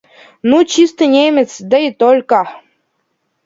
Ну чистый немец, да и только!